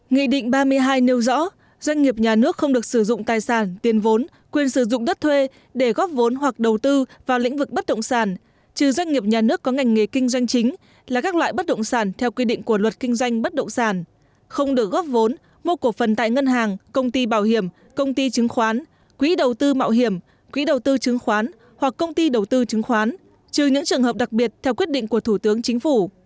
nghị định ba mươi hai nêu rõ doanh nghiệp nhà nước không được sử dụng tài sản tiền vốn quyền sử dụng đất thuê để góp vốn hoặc đầu tư vào lĩnh vực bất động sản trừ doanh nghiệp nhà nước có ngành nghề kinh doanh chính là các loại bất động sản theo quy định của luật kinh doanh bất động sản không được góp vốn mua cổ phần tại ngân hàng công ty bảo hiểm công ty chứng khoán quỹ đầu tư mạo hiểm quỹ đầu tư chứng khoán hoặc công ty đầu tư chứng khoán trừ những trường hợp đặc biệt theo quyết định của thủ tướng chính phủ